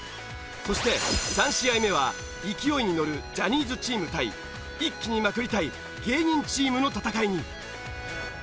そして３試合目は勢いにのるジャニーズチーム対一気にまくりたい芸人チームの戦いに。